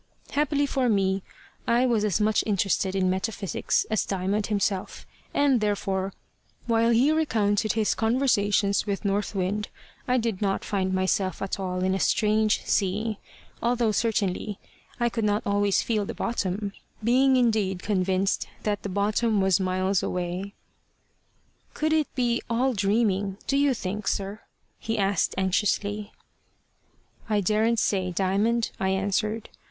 Happily for me, I was as much interested in metaphysics as Diamond himself, and therefore, while he recounted his conversations with North Wind, I did not find myself at all in a strange sea, although certainly I could not always feel the bottom, being indeed convinced that the bottom was miles away. "Could it be all dreaming, do you think, sir?" he asked anxiously. "I daren't say, Diamond," I answered.